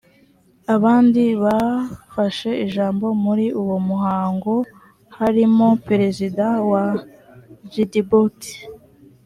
abandi bafashe ijambo muri uwo muhango harimo perezida wa djibouti